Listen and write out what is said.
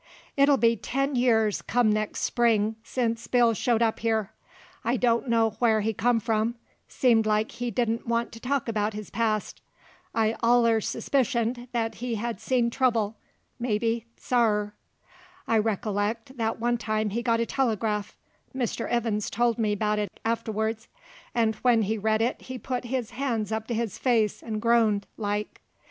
It'll be ten years come nex' spring sence Bill showed up here. I don't know whar he come from; seemed like he didn't want to talk about his past. I allers suspicioned that he had seen trubble maybe, sorrer. I reecollect that one time he got a telegraph, Mr. Ivins told me 'bout it afterwards, and when he read it he put his hands up to his face 'nd groaned, like.